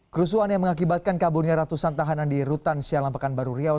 kerusuhan yang mengakibatkan kaburnya ratusan tahanan di rutan sialam pekanbaru riau